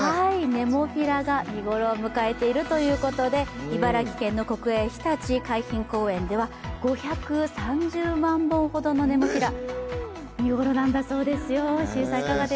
ネモフィラが見頃を迎えているということで、茨城県の国営ひたち海浜公園では５３０万本ほどのネモフィラ見頃なんだそうですよ。